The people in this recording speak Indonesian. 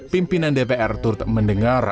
pimpinan dpr turut mendengar